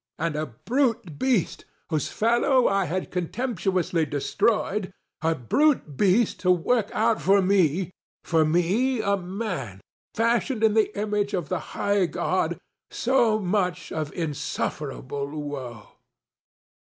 And _a brute beast _ŌĆöwhose fellow I had contemptuously destroyedŌĆö_a brute beast_ to work out for _me_ŌĆöfor me a man, fashioned in the image of the High GodŌĆöso much of insufferable woe!